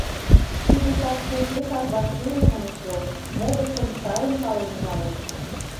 Тудо такше пешак вашке умылышо, модышым сайын пален налын.